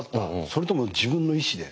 それとも自分の意思で？